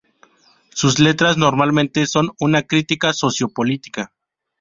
Sus letras normalmente son una crítica socio-política.